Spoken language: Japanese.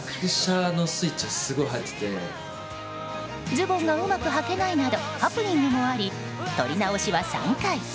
ズボンがうまくはけないなどハプニングもあり撮り直しは３回。